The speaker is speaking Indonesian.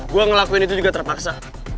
gue ngelakuin itu juga terpaksa